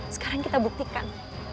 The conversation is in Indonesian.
sekarang kita buktikan